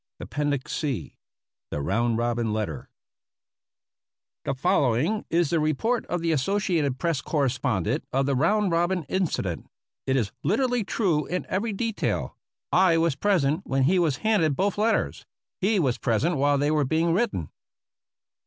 Shafter, Major General Commanding. 279 APPENDIX C [The following is the report of the Associated Press correspondent of the "round robin" incident. It is literally true in every detail. I was present when he was handed both letters ; he was present while they were being written.